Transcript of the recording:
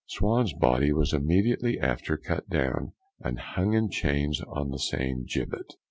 Swan's body was immediately after cut down, and hung in chains on the same gibbet.